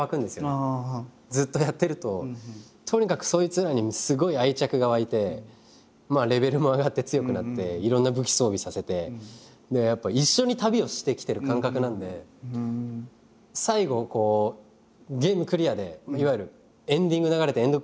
ずっとやってるととにかくそいつらにすごい愛着が湧いてレベルも上がって強くなっていろんな武器装備させてやっぱ一緒に旅をしてきてる感覚なんで最後ゲームクリアでいわゆるエンディング流れてエンド